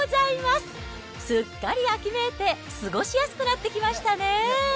すっかり秋めいて、過ごしやすくなってきましたね。